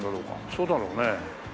そうだろうねえ。